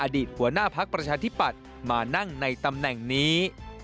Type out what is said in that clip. อดีตหัวหน้าพักประชาธิปัตย์มานั่งในตำแหน่งนี้